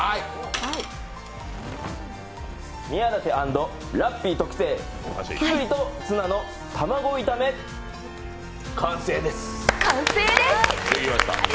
宮舘＆ラッピー特製きゅうりとツナの卵炒め完成です。